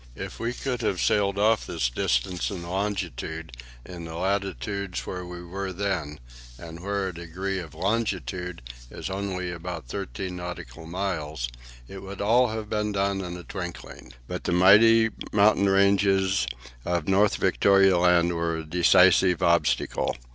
If we could have sailed off this difference in longitude in the latitudes where we then were, and where a degree of longitude is only about thirteen nautical miles, it would all have been done in a twinkling; but the mighty mountain ranges of North Victoria Land were a decisive obstacle.